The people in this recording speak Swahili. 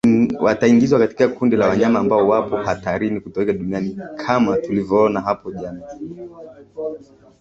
wataingizwa katika kundi la wanyama ambao wapo hatarini kutoweka duniani Kama tulivoona hapo jamii